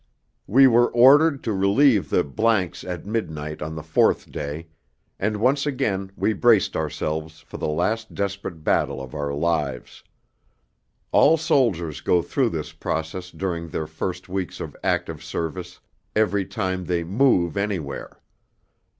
II We were ordered to relieve the 's at midnight on the fourth day, and once again we braced ourselves for the last desperate battle of our lives. All soldiers go through this process during their first weeks of active service every time they 'move' anywhere.